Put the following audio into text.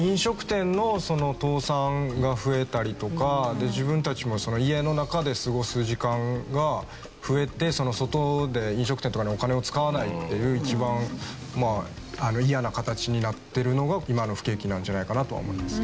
で自分たちも家の中で過ごす時間が増えて外で飲食店とかにお金を使わないっていう一番嫌な形になってるのが今の不景気なんじゃないかなとは思います。